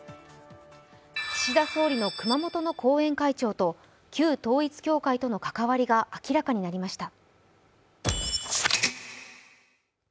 岸田総理の熊本の後援会長と旧統一教会との関わりが明らかになりました。